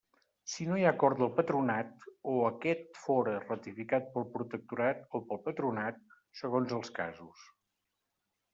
Si no hi ha acord del Patronat, o aquest fóra ratificat pel Protectorat o pel Patronat, segons els casos.